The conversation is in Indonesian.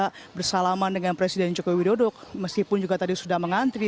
mereka bersalaman dengan presiden joko widodo meskipun juga tadi sudah mengantri